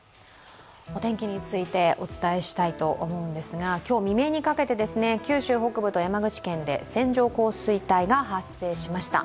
お天気についてお伝えしたいと思うんですが、今日未明にかけて、九州北部と山口県で線状降水帯が発生しました。